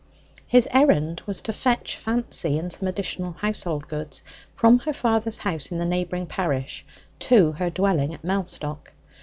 His errand was to fetch Fancy, and some additional household goods, from her father's house in the neighbouring parish to her dwelling at Mellstock.